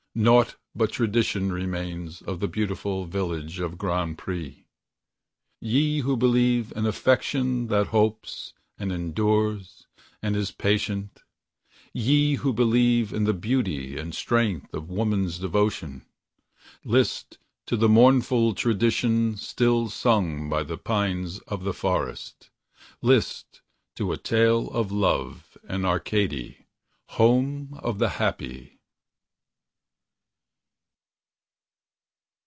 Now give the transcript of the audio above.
Naught but tradition remains of the beautiful village of Grand Pré. Ye who believe in affection that hopes, and endures, and is patient, Ye who believe in the beauty and strength of woman's devotion, List to the mournful tradition still sung by the pines of the forest; List to a Tale of Love in Acadie, home of the happy.